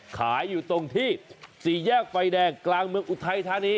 อยู่ตรงที่สี่แยกไฟแดงกลางเมืองอุทัยธานี